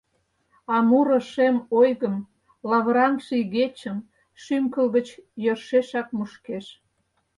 А муро шем ойгым, Лавыраҥше игечым Шӱм-кыл гыч йӧршешак мушкеш.